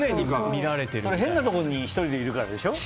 変なところに１人でいるからでしょう？